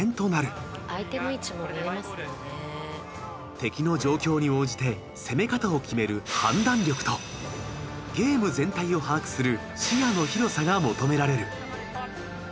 敵の状況に応じて攻め方を決める判断力とゲーム全体を把握する視野の広さが求められる。